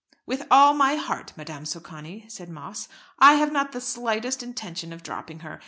"With all my heart, Madame Socani," said Moss. "I have not the slightest intention of dropping her.